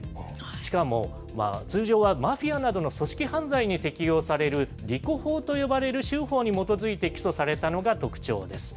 しかも、通常はマフィアなどの組織犯罪に適用される、ＲＩＣＯ法と呼ばれる州法に基づいて起訴されたのが特徴です。